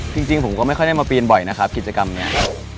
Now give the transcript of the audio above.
จริงผมก็ไม่ค่อยได้มาปีนบ่อยนะครับกิจกรรมนี้